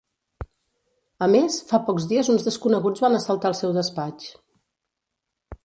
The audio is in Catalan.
A més, fa pocs dies uns desconeguts van assaltar el seu despatx.